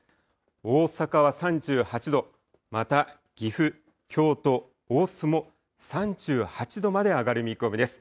大阪は３８度、また岐阜、京都、大阪も３８度まで上がる見込みです。